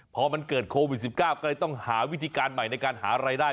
พอมันเกิดโควิด๑๙ก็เลยต้องหาวิธีการใหม่ในการหารายได้